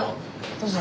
どうぞ。